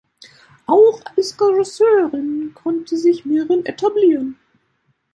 Auch als Regisseurin konnte sich Mirren etablieren.